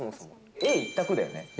Ａ一択だよね。